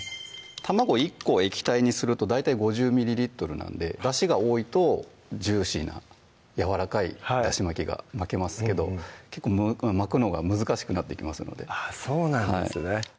卵１個を液体にすると大体５０ｍｌなんでだしが多いとジューシーなやわらかいだし巻きが巻けますけど結構巻くのが難しくなってきますのでそうなんですね